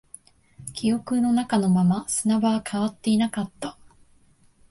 記憶の中のまま、砂場は変わっていなかった